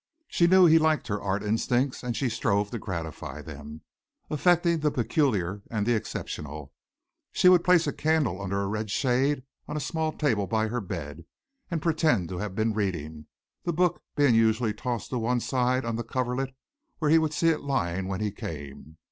She knew he liked her art instincts and she strove to gratify them, affecting the peculiar and the exceptional. She would place a candle under a red shade on a small table by her bed and pretend to have been reading, the book being usually tossed to one side on the coverlet where he would see it lying when he came.